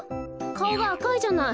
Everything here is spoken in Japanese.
かおがあかいじゃない。